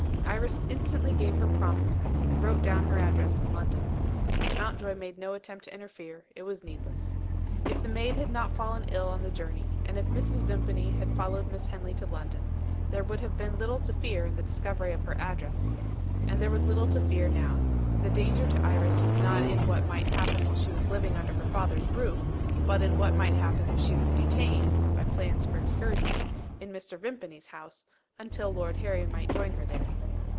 Iris instantly gave her promise, and wrote down her address in London. Mountjoy made no attempt to interfere: it was needless. If the maid had not fallen ill on the journey, and if Mrs. Vimpany had followed Miss Henley to London, there would have been little to fear in the discovery of her address and there was little to fear now. The danger to Iris was not in what might happen while she was living under her father's roof, but in what might happen if she was detained (by plans for excursions) in Mr. Vimpany's house, until Lord Harry might join her there.